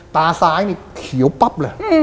ตาซ้ายนี่เขียวปั๊บเลย